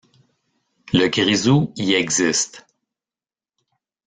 Le grisou y existe.